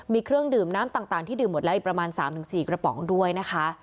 มีเครื่องดื่มน้ำต่างที่ดื่มหมดแล้วอีกประมาณ๓๔กระป๋องด้วยนะคะ